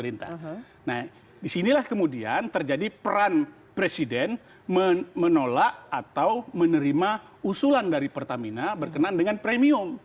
nah disinilah kemudian terjadi peran presiden menolak atau menerima usulan dari pertamina berkenan dengan premium